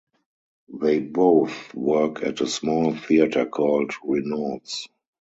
They both work at a small theatre called "Renaud's".